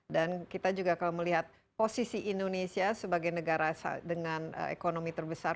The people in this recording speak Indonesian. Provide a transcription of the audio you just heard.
dan kita juga kalau melihat posisi indonesia sebagai negara dengan ekonomi terbesar